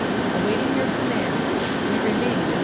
Awaiting your commands, We remain, etc.